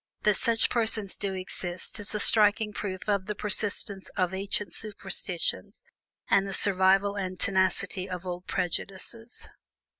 That such persons do exist is a striking proof of the persistence of ancient superstitions and the survival and tenacity of old prejudices.